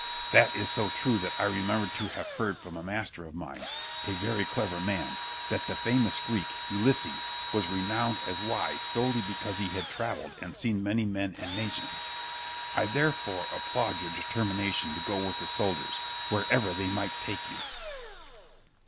Scip. That is so true that I remember to have heard from a master of mine, a very clever man, that the famous Greek, Ulysses, was renowned as wise solely because he had travelled and seen many men and nations. I therefore applaud your determination to go with the soldiers, wherever they might take you.